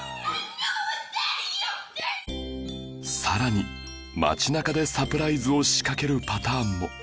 更に街なかでサプライズを仕掛けるパターンも